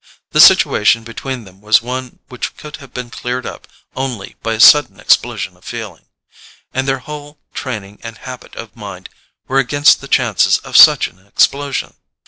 The situation between them was one which could have been cleared up only by a sudden explosion of feeling; and their whole training and habit of mind were against the chances of such an explosion.